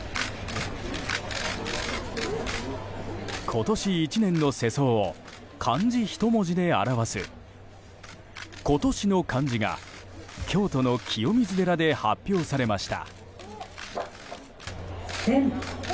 今年１年の世相を漢字一文字で表す今年の漢字が京都の清水寺で発表されました。